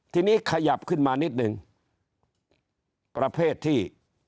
ทีนี้ขยับขึ้นมานิดนึงประเภทที่